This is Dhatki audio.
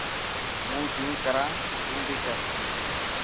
هون جين ڪران تو بي ڪر.